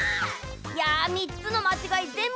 いや３つのまちがいぜんぶ